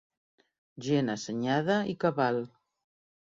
Gent assenyada i cabal.